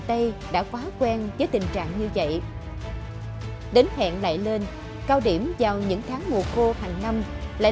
tây đã quá quen với tình trạng như vậy đến hẹn lại lên cao điểm vào những tháng mùa khô hàng năm lại